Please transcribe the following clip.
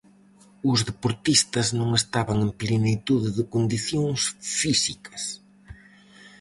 Os deportistas non estaban en plenitude de condicións físicas.